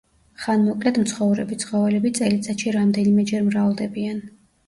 ხანმოკლედ მცხოვრები ცხოველები წელიწადში რამდენიმეჯერ მრავლდებიან.